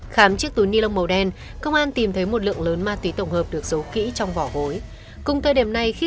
khám chiếc túi ni lông màu đen công an tìm thấy một lượng lớn ma túy tổng hợp được dấu kỹ trong vỏ gối